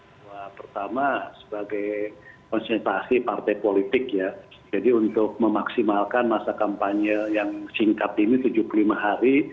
saya pikir ini adalah satu tindakan yang sangat penting untuk memaksimalkan masa kampanye yang singkat ini tujuh puluh lima hari